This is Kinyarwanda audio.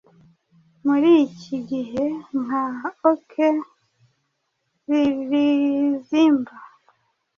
muri iki gihe nka ok zirzmba